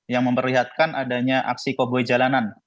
yang memperlihatkan adanya aksi koboi jalanan